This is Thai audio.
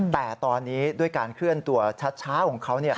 แต่ตอนนี้ด้วยการเคลื่อนตัวช้าของเขา